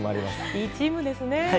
いいチームですね。